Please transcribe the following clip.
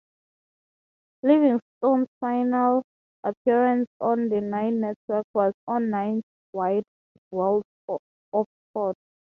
Livingstone's final appearance on the Nine Network was on Nine's Wide World of Sport.